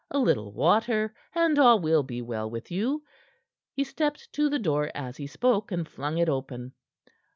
"A little water, and all will be well with you." He stepped to the door as he spoke, and flung it open.